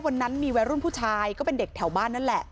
วันนั้นมีวัยรุ่นผู้ชายก็เป็นเด็กแถวบ้านนั่นแหละ